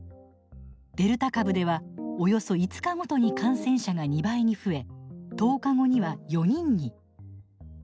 デルタ株ではおよそ５日ごとに感染者が２倍に増え１０日後には４人に。